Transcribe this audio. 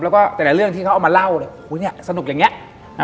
แล้วก็แต่ละเรื่องที่เขาเอามาเล่าเนี่ยสนุกอย่างนี้